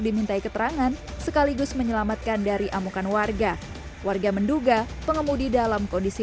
dimintai keterangan sekaligus menyelamatkan dari amukan warga warga menduga pengemudi dalam kondisi